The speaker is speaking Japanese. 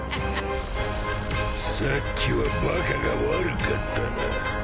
さっきはバカが悪かったな。